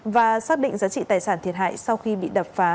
và xác định giá trị tài sản thiệt hại sau khi bị đập phá